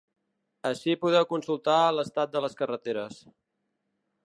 Ací podeu consultar l’estat de les carreteres.